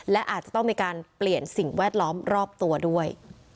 และอาจจะต้องมีการเปลี่ยนสิ่งแวดล้อมรอบตัวด้วย